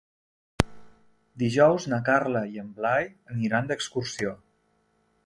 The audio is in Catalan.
Dijous na Carla i en Blai aniran d'excursió.